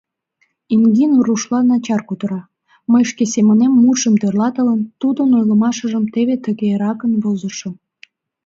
Ингину рушла начар кутыра, мый, шке семынем мутшым тӧрлатылын, тудын ойлымашыжым теве тыгеракын возышым.